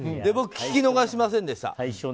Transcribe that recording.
僕、聞き逃しませんでした。